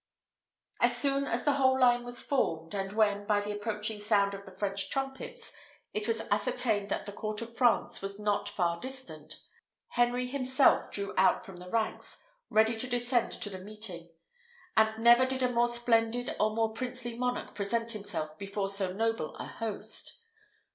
As soon as the whole line was formed, and when, by the approaching sound of the French trumpets, it was ascertained that the Court of France was not far distant, Henry himself drew out from the ranks, ready to descend to the meeting; and never did a more splendid or more princely monarch present himself before so noble a host.